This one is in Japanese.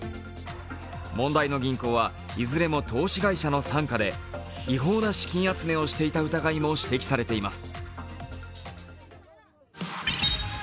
問題の銀行は、いずれも投資会社の傘下で、違法な資金集めをしていた疑いも指摘されています。